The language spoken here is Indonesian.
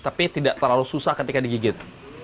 tapi tidak terlalu susah ketika digigit